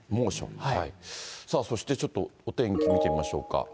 さあ、そしてちょっとお天気見てみましょうか。